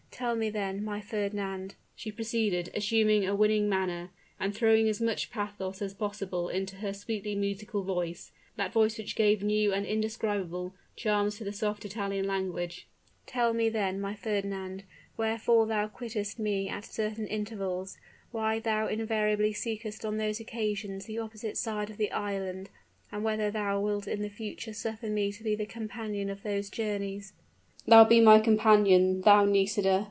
Tell me then, my Fernand," she proceeded, assuming a winning manner, and throwing as much pathos as possible into her sweetly musical voice that voice which gave new and indescribable, charms to the soft Italian language "tell me then, my Fernand, wherefore thou quittest me at certain intervals why thou invariably seekest on those occasions the opposite side of the island and whether thou wilt in future suffer me to be the companion of those journeys?" "Thou be my companion thou, Nisida!"